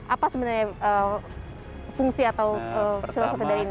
apa sebenarnya fungsi atau filosofi dari ini